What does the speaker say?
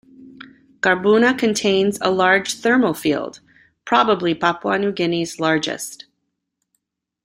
Garbuna contains a large thermal field, probably Papua New Guinea's largest.